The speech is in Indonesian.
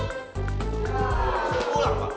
ya mau pulang pak